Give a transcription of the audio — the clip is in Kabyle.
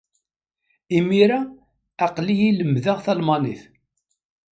Imir-a, aql-iyi lemmdeɣ talmanit.